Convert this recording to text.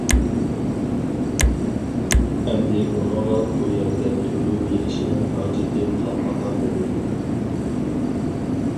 ئەمدى ئۇنىڭغا بۇ يەردە تۇرۇۋېرىشنىڭ ھاجىتى قالمىغانىدى.